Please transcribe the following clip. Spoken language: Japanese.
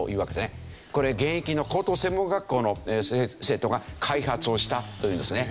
これ現役の高等専門学校の生徒が開発をしたというんですね。